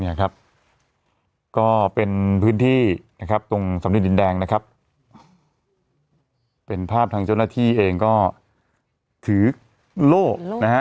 เนี่ยครับก็เป็นพื้นที่นะครับตรงสำเนียินแดงนะครับเป็นภาพทางเจ้าหน้าที่เองก็ถือโล่นะฮะ